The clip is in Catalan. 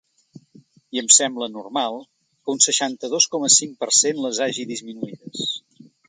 I em sembla normal que un seixanta-dos coma cinc per cent les hagi disminuïdes.